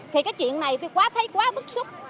thì cái chuyện này tôi quá thấy quá bức xúc